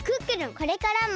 これからも。